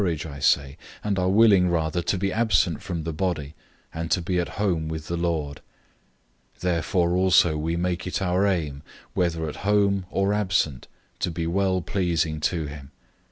005:008 We are of good courage, I say, and are willing rather to be absent from the body, and to be at home with the Lord. 005:009 Therefore also we make it our aim, whether at home or absent, to be well pleasing to him.